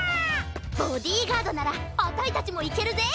ボディーガードならあたいたちもいけるぜ！